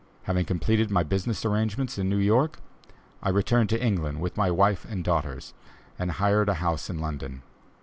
Having completed my business arrangements in New York, I returned to England with my wife and daughters, and hired a house in London.